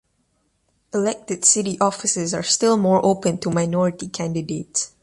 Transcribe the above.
Elected city offices are still more open to minority candidates.